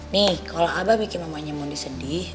nih kalau abah bikin mamanya monly sedih